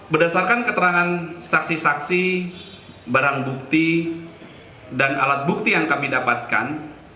berdasarkan keterangan saksi saksi barang bukti dan alat bukti yang kami dapatkan